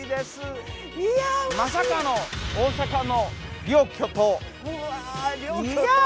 まさかの大阪の両巨頭。